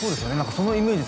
そのイメージ